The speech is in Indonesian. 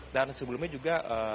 dan sebelumnya juga